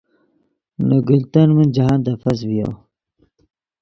نے گلتن من جاہند افس ڤیو